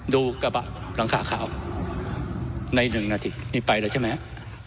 ดูกระบะหลังขาขาวในหนึ่งนาทีนี่ไปแล้วใช่ไหมครับ